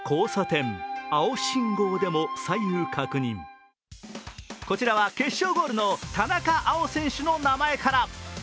更にこちらは決勝ゴールの田中碧選手の名前から。